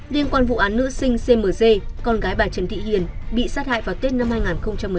liên quan vụ án nữ sinh cmc con gái bà trần thị hiền bị sát hại vào tết năm hai nghìn một mươi tám